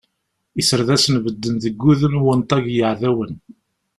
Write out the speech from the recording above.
Iserdasen bedden deg udem n unṭag n yeεdawen.